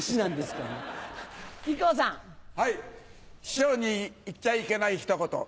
師匠に言っちゃいけないひと言。